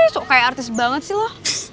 sok kayak artis banget sih lo